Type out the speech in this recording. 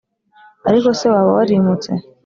ariko se waba warimutse?